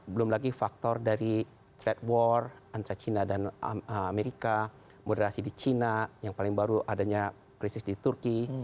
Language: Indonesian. belum lagi faktor dari trade war antara china dan amerika moderasi di china yang paling baru adanya krisis di turki